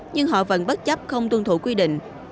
nhưng họ vẫn bất chấp không tuân thủ quy định